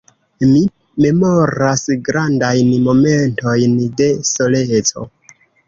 Mi memoras grandajn momentojn de soleco.